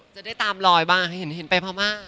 จะได้ตามลอยบ้างเห็นไปพม่า